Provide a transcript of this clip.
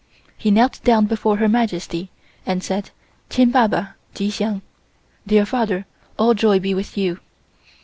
He knelt down before Her Majesty and said: "Chin Baba, Chi Hsiang" (dear father, all joy be with you).